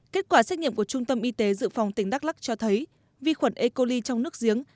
kết quả xét nghiệm của trung tâm y tế dự phòng tỉnh đắk lắc cho thấy vi khuẩn ecoli trong nước giếng